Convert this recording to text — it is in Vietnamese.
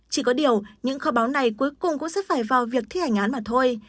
chỉ có điều những kho báo này cuối cùng cũng sẽ phải vào việc thi hành án mà thôi